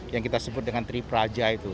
yang kita sebut dengan tripraja itu